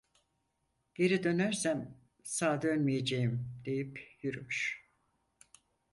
'Geri dönersem sağ dönmeyeceğim!' deyip yürümüş.